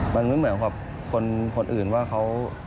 มันไม่เหมือนกับคนอื่นว่าเขา